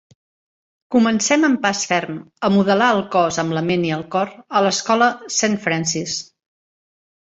Comencem amb pas ferm a modelar el cos amb la ment i el cor a l'escola Saint Francis.